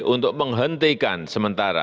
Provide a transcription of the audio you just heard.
untuk menghentikan sementara